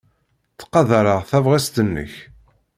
Ttqadareɣ tabɣest-nnek.